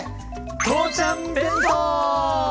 父ちゃん弁当！